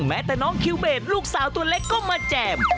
แมตตะน้องคิวเบจลูกสาวตัวเล็กก็มาจ่ำ